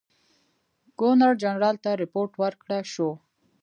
ګورنر جنرال ته رپوټ ورکړه شو.